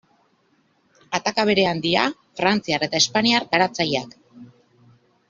Ataka berean dira frantziar eta espainiar garatzaileak.